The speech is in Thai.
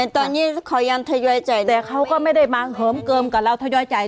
ตอนนี้ขอยันทยอยจ่ายแต่เขาก็ไม่ได้มาเหิมเกิมกับเราทยอยจ่าย